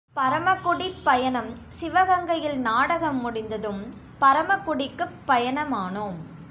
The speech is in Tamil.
பரமக்குடிப் பயணம் சிவகங்கையில் நாடகம் முடிந்ததும் பரமக்குடிக்குப் பயணமானோம்.